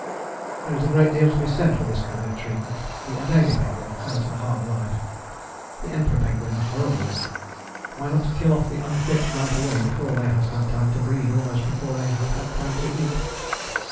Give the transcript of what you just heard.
" There is a great deal to be said for this kind of treatment. The Adélie penguin has a hard life: the Emperor penguin a horrible one. Why not kill off the unfit right away, before they have had time to breed, almost before they have had time to eat?